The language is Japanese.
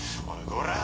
こら。